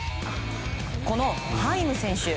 このハイム選手。